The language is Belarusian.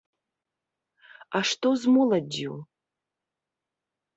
А што з моладдзю?